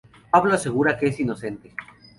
Pablo asegura que es inocente.